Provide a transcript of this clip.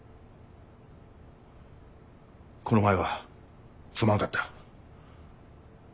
この前はすまんかった。